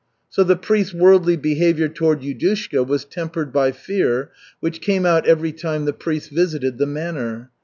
So the priest's worldly behavior toward Yudushka was tempered by fear, which came out every time the priest visited the manor.